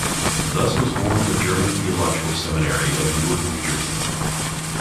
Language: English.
Thus was born the German Theological Seminary of Newark, New Jersey.